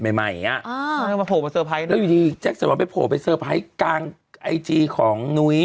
จริงเขาบอกว่ากับหนุ๊ยนี่คือเช่นนางเล่นไอเทียกัน